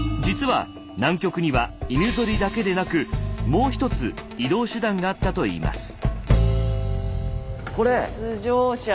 実は南極には犬ゾリだけでなくもうひとつ移動手段があったといいます。